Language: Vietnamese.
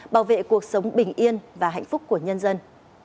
bảo vệ cuộc sống bình yên và hạnh phúc của nhân dân